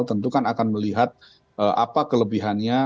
tentu kan akan melihat apa kelebihannya